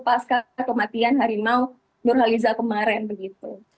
pasca kematian harimau nurhaliza kemarin begitu